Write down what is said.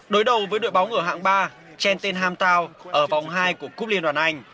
đối đầu với đội bóng ở hạng ba trenton hamtow ở vòng hai của cúp liên đoàn anh